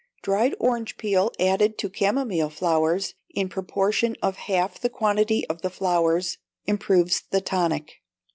Dried orange peel added to camomile flowers, in the proportion of half the quantity of the flowers, improves the tonic.